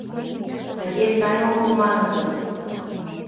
Тыге сай огыл, манытыс.